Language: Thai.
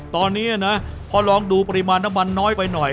ตอนนี้นะพอลองดูปริมาณน้ำมันน้อยไปหน่อย